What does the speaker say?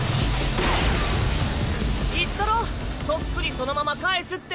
言ったろそっくりそのまま返すって。